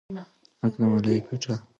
لکه د ملالې ټپه